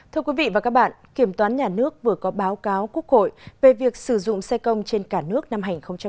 thưa quý vị và các bạn kiểm toán nhà nước vừa có báo cáo quốc hội về việc sử dụng xe công trên cả nước năm hai nghìn một mươi chín